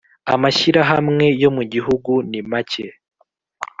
amashyirahamwe yo mu gihugu nimake.